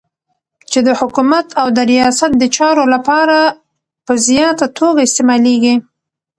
چی د حکومت او د ریاست دچارو لپاره په زیاته توګه استعمالیږی